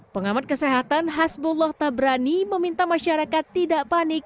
pengamat kesehatan hasbullah tabrani meminta masyarakat tidak panik